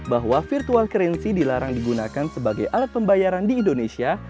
bahwa virtual currency dilarang digunakan sebagai alat pembayaran di indonesia